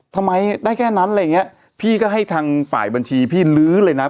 ทำไมได้แค่นั้นอะไรอย่างเงี้ยพี่ก็ให้ทางฝ่ายบัญชีพี่ลื้อเลยนะ